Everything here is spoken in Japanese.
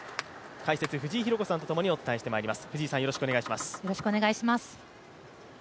解説、藤井寛子さんとともにお伝えしてまいります。